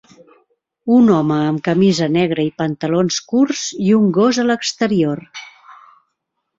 Un home amb camisa negra i pantalons curts i un gos a l'exterior.